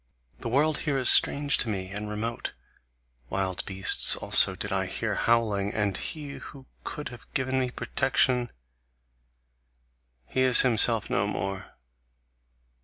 The world here is strange to me, and remote; wild beasts also did I hear howling; and he who could have given me protection he is himself no more.